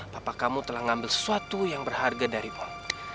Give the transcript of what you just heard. papa kamu telah ngambil sesuatu yang berharga dari om